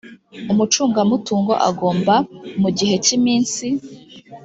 umucungamutungo agomba mu gihe cy iminsi